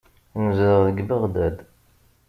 Nezdeɣ deg Beɣdad.